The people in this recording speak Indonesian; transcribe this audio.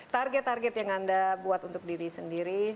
target target yang anda buat untuk diri sendiri